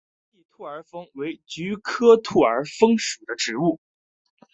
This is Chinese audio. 边地兔儿风为菊科兔儿风属的植物。